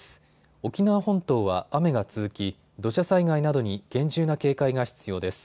沖縄本島は雨が続き土砂災害などに厳重な警戒が必要です。